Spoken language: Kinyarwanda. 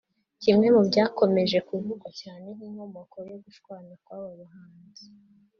Kimwe mu byakomeje kuvugwa cyane nk’inkomoko yo gushwana kw’aba bahanzi